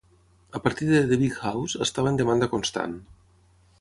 A partir de "The Big House", estava en demanda constant.